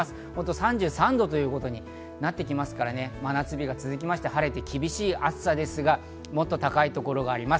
３３度ということになってきますから真夏日が続いて晴れて厳しい暑さですがもっと高いところがあります。